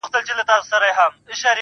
ستا د پښو ترپ ته هركلى كومه.